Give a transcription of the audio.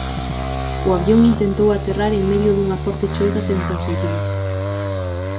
O avión intentou aterrar en medio dunha forte choiva sen conseguilo.